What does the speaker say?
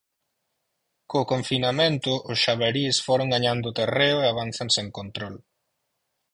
Co confinamento, os xabarís foron gañando terreo e avanzan sen control.